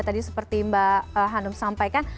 tadi seperti mbak hanum sampaikan